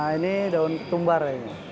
ini daun ketumbar